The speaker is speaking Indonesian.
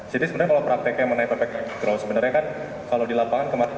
jadi sebenarnya kalau prakteknya menaikkan growth sebenarnya kan kalau di lapangan kemarin